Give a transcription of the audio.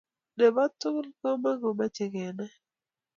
nebo sukul komokomache kenai